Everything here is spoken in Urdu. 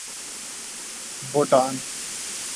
بھوٹان